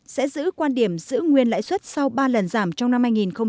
sẽ giữ quan điểm giữ nguyên lãi suất sau ba lần giảm trong năm hai nghìn một mươi chín